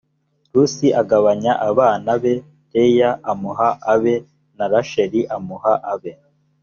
rusi agabanya abana be leya amuha abe na rasheli amuha abe